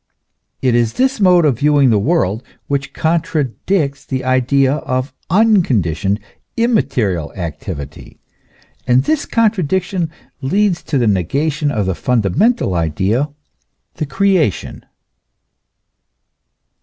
It is this mode of viewing the world which contradicts the idea of unconditioned, immaterial activity : and this contradiction leads to the negation of the fundamental idea the creation.